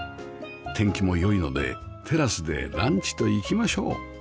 天気も良いのでテラスでランチといきましょう